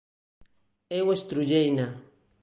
Eu estrulleina.